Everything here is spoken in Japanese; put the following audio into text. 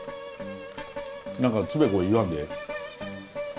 何かつべこべ言わんでええ。